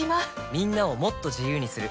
みんなをもっと自由にする「三菱冷蔵庫」